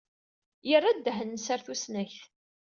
Yerra ddehn-nnes ɣer tusnakt.